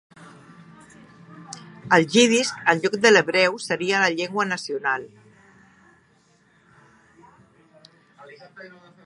El jiddisch, en lloc de l'hebreu, seria la llengua nacional.